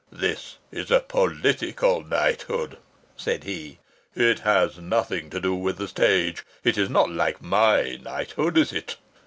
"This is a political knighthood," said he. "It has nothing to do with the stage. It is not like my knighthood, is it?"